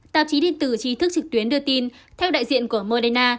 tạp chí điện tử trí thức trực tuyến đưa tin theo đại diện của moderna